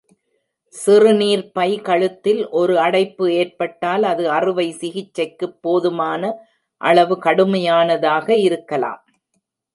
சிறுநீர்ப்பை கழுத்தில் ஒரு அடைப்பு ஏற்பட்டால், அது அறுவை சிகிச்சைக்குப் போதுமான அளவு கடுமையானதாக இருக்கலாம்.